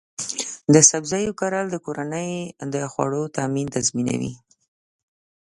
د سبزیو کرل د کورنۍ د خوړو تامین تضمینوي.